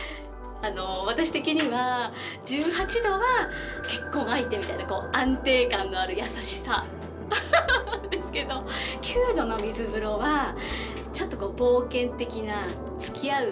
私的には１８℃は結婚相手みたいな安定感のある優しさですけど９℃の水風呂はちょっと冒険的なつきあう